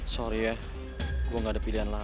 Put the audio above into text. sorry ya gue gak ada pilihan lain